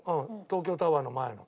東京タワーの前の。